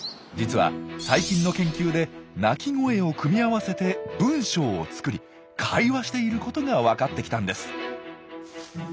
実は最近の研究で鳴き声を組み合わせて文章を作り会話していることが分かってきたんです。